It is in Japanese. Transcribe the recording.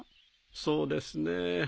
そうですね